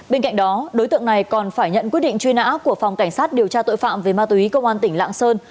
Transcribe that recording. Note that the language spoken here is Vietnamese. bên cạnh đó đối tượng này còn phải nhận quyết định truy nã của phòng cảnh sát điều tra tội phạm về ma túy công an tỉnh lạng sơn